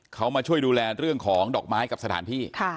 เขามาช่วยดูแลเรื่องของดอกไม้กับสถานที่